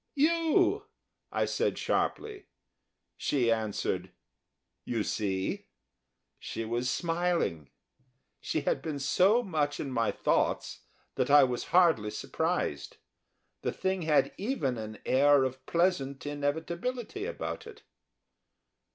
"You!" I said, sharply. She answered, "You see." She was smiling. She had been so much in my thoughts that I was hardly surprised the thing had even an air of pleasant inevitability about it.